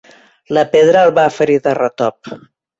La pedra el va ferir de retop.